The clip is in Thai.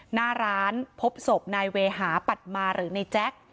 หน้าร้านพบศพนายเวหาปัดมาหรือในแจ๊ค